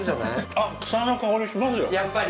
あっ草の香りしますよやっぱり？